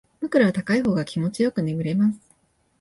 枕は高い方が気持ちよく眠れます